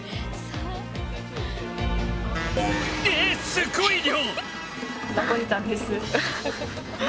えっ、すごい量！